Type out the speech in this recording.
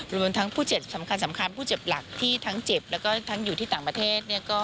รวมทั้งแต่พจำสำคัญผู้เจ็บหลักที่ทั้งเจ็บและถึงเป็นที่ต่างประเทศ